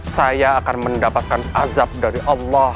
saya akan mendapatkan azab dari allah